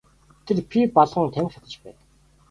Тэр пиво балган тамхи татаж байв.